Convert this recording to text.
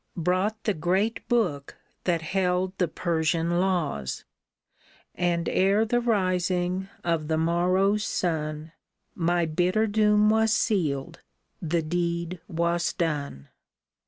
03 36 VASHTI'S SCROLL Brought the great book that held the Persian laws, And ere the rising of the morrow's sun, My bitter doom was sealed, the deed was done